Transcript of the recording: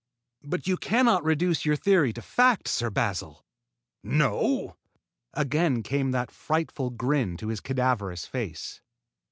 "But you cannot reduce your theory to fact, Sir Basil!" "No?" Again came that frightful grin to his cadaverous face.